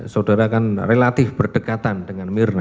saudara kan relatif berdekatan dengan mirna